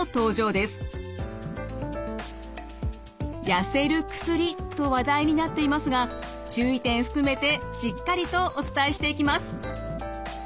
やせる薬と話題になっていますが注意点含めてしっかりとお伝えしていきます。